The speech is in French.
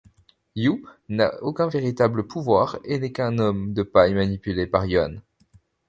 You n'a aucun véritable pouvoir et n'est qu'un homme de paille manipulé par Yuan.